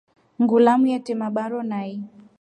Ngulamu yete mabaaro nai.